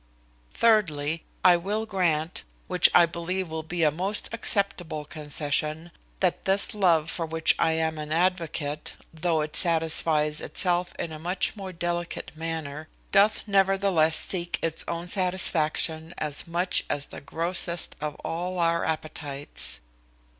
Thirdly, I will grant, which I believe will be a most acceptable concession, that this love for which I am an advocate, though it satisfies itself in a much more delicate manner, doth nevertheless seek its own satisfaction as much as the grossest of all our appetites.